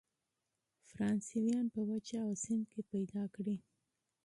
فرانسویان په وچه او سمندر کې پیدا کړي.